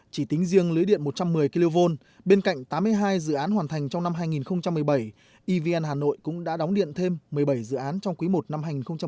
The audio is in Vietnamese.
chỉ tính riêng lưới điện một trăm một mươi kv bên cạnh tám mươi hai dự án hoàn thành trong năm hai nghìn một mươi bảy evn hà nội cũng đã đóng điện thêm một mươi bảy dự án trong quý i năm hai nghìn một mươi chín